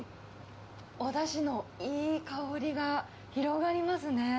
おだしのいい香りが広がりますね。